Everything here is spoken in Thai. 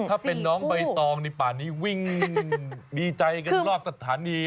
ถ้าเป็นน้องใบตองในป่านี้วิ่งดีใจกันรอบสถานี